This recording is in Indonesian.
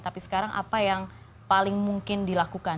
tapi sekarang apa yang paling mungkin dilakukan